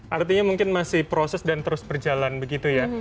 artinya mungkin masih proses dan terus berjalan begitu ya